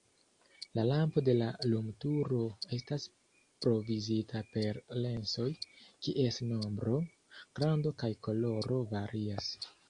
La lampo de lumturo estas provizita per lensoj, kies nombro, grando kaj koloro varias.